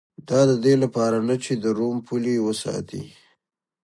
دا د دې لپاره نه چې د روم پولې وساتي